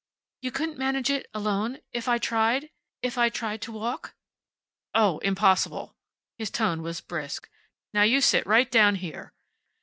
"You couldn't manage it alone? If I tried? If I tried to walk?" "Oh, impossible." His tone was brisk. "Now you sit right down here."